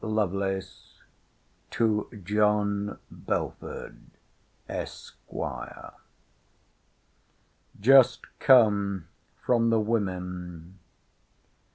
LOVELACE, TO JOHN BELFORD, ESQ. Just come from the women.